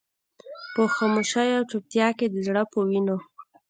په خاموشۍ او چوپتيا کې د زړه په وينو.